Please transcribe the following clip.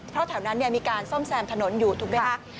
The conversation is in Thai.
เพราะแถวนั้นมีการซ่อมแซมถนนอยู่ถูกไหมคะ